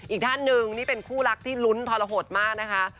อีกท่านหนึ่งนี่เป็นคู่รักที่ลุ้นทรหดมากนะคะ